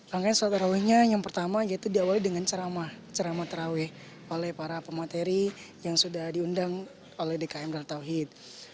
rangkaian sholat tarawehnya yang pertama yaitu diawali dengan ceramah ceramah terawih oleh para pemateri yang sudah diundang oleh dkm dartauhid